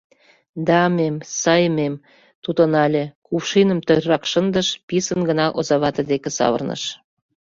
— Да, мэм... сай, мэм, — тутынале, кувшиным тӧррак шындыш, писын гына озавате деке савырныш.